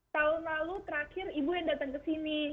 tahun lalu terakhir ibu yang datang ke sini